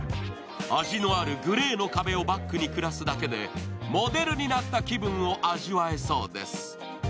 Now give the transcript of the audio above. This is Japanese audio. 味のあるグレーの壁をバックに暮らすだけでモデルになった気分を味わえそうです。